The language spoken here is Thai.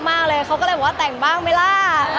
มันเป็นเรื่องน่ารักที่เวลาเจอกันเราต้องแซวอะไรอย่างเงี้ย